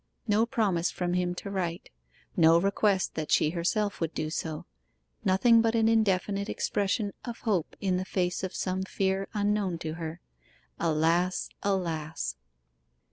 No promise from him to write: no request that she herself would do so nothing but an indefinite expression of hope in the face of some fear unknown to her. Alas, alas!